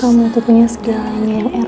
kamu tuh punya segalanya yang eros dapet